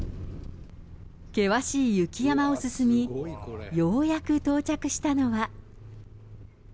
険しい雪山を進み、ようやく到着したのは。